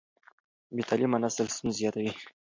بې تعليمه نسل ستونزې زیاتوي.